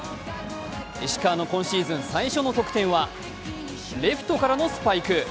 石川の今シーズン最初の得点は、レフトからのスパイク。